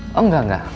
oh enggak enggak